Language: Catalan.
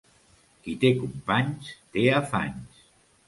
Qui té companys, té afanys.